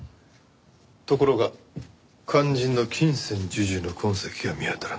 ところが肝心の金銭授受の痕跡が見当たらない。